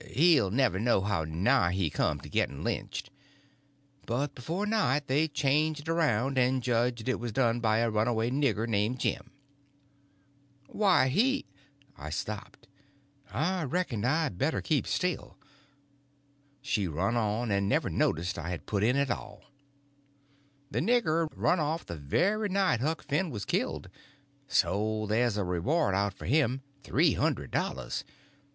He'll never know how nigh he come to getting lynched. But before night they changed around and judged it was done by a runaway nigger named Jim." "Why he—" I stopped. I reckoned I better keep still. She run on, and never noticed I had put in at all: "The nigger run off the very night Huck Finn was killed. So there's a reward out for him—three hundred dollars.